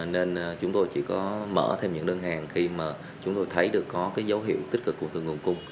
nên chúng tôi chỉ có mở thêm những đơn hàng khi mà chúng tôi thấy được có cái dấu hiệu tích cực của từng nguồn cung